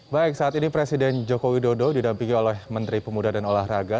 baik saat ini presiden joko widodo didampingi oleh menteri pemuda dan olahraga